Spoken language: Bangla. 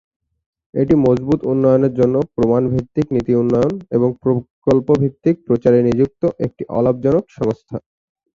এটি মজবুত উন্নয়নের জন্য প্রমাণ ভিত্তিক নীতি উন্নয়ন এবং প্রকল্প ভিত্তিক প্রচারে নিযুক্ত একটি অলাভজনক সংস্থা।